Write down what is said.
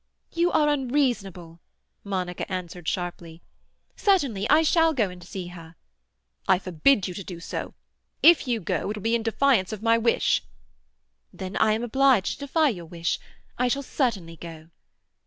"You are unreasonable," Monica answered sharply. "Certainly I shall go and see her." "I forbid you to do so! If you go, it will be in defiance of my wish." "Then I am obliged to defy your wish. I shall certainly go."